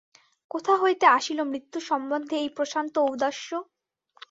কোথা হইতে আসিল মৃত্যু সম্বন্ধে এই প্রশান্ত ঔদাস্য?